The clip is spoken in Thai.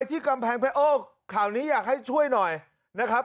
ที่กำแพงเพชรโอ้ข่าวนี้อยากให้ช่วยหน่อยนะครับ